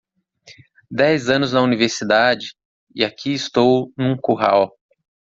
Dez anos na universidade? e aqui estou num curral.